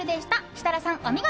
設楽さん、お見事！